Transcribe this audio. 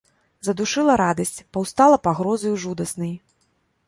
Задушыла радасць, паўстала пагрозаю жудаснай.